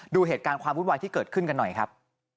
ดูเหตุการณ์ความวุ่นวายที่เกิดขึ้นกันหน่อยครับ